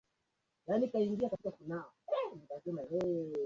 wakati wa vita Ataturk alisukuma kwa mageuzi